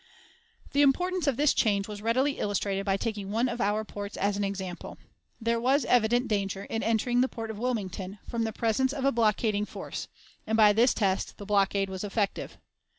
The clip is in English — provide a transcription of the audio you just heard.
The importance of this change was readily illustrated by taking one of our ports as an example. There was "evident danger," in entering the port of Wilmington, from the presence of a blockading force, and by this test the blockade was effective.